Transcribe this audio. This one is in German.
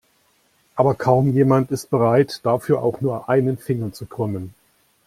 Aber kaum jemand ist bereit, dafür auch nur einen Finger zu krümmen.